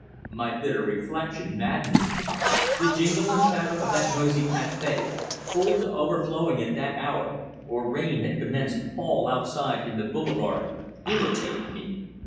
My bitter reflection maddened me. The jingle and chatter of that noisy café, full to overflowing at that hour, for rain had commenced to fall outside in the boulevard, irritated me.